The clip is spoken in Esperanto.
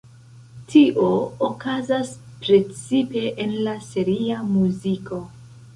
Tio okazas precipe en la seria muziko.